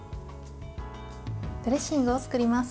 ドレッシングを作ります。